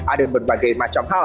ada berbagai macam hal